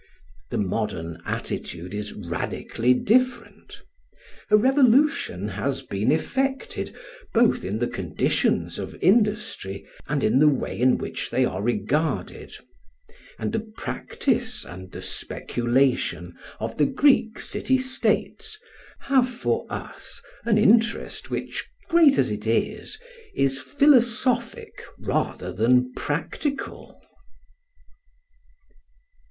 The modern attitude is radically different; a revolution has been effected both in the conditions of industry and in the way in which they are regarded; and the practice and the speculation of the Greek city states have for us an interest which, great as it is, is philosophic rather than practical.